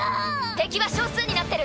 敵は少数になってる。